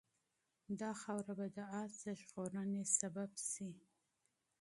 دا خاوره به د آس د ژغورنې سبب شي.